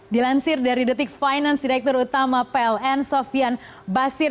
dilansir dari detik finance direktur utama pln sofian basir